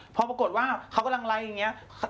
พอปรากฏว่าเขากำลังไลค์